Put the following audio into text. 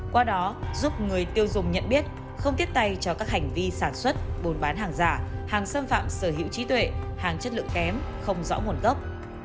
qua đó giúp người tiêu dùng nhận biết không tiết tay cho các hành vi sản xuất buôn bán hàng giả hàng xâm phạm sở hữu trí tuệ hàng chất lượng kém không rõ nguồn gốc